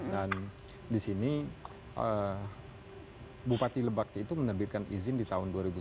dan di sini bupati lebak itu menerbitkan izin di tahun dua ribu sepuluh